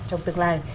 trong tương lai